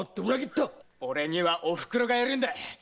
俺にはおふくろがいるんでい。